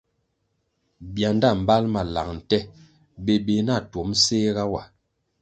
Bianda mbal ma lang nte bébéh na tuom séhga wa.